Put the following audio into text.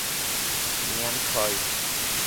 Nyan Koi!